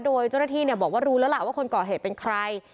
โดยเจ้าหน้าที่บอกว่ารู้แล้วล่ะว่าคนก่อเหตุเป็นใคร